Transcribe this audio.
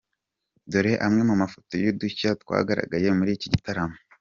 Dore amwe mu mafoto y’udushya twagaragaye muri iki gitaramo :.